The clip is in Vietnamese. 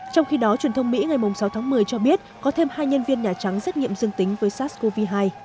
trong khi đó truyền thông mỹ ngày sáu tháng một mươi cho biết có thêm hai nhân viên nhà trắng rất nghiệm dương tính với sars cov hai